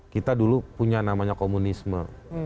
kita dulu punya namanya komunisme